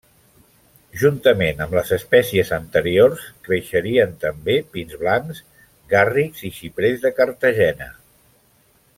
Juntament amb les espècies anteriors creixerien també pins blancs, garrics i xiprers de Cartagena.